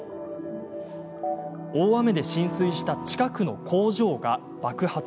大雨で浸水した近くの工場が爆発。